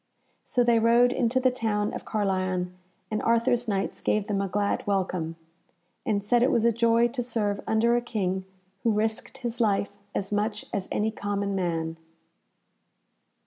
So they rode into the town of Carlion, and Arthur's Knights gave them a glad welcome, and said it was a joy to serve under a King who risked his life as much as any common man.